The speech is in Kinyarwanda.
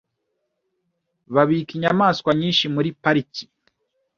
Babika inyamaswa nyinshi muri pariki.